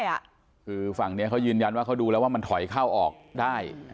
คือฝั่งนี้เขายืนยันว่าเขาดูแล้วว่ามันถอยเข้าออกได้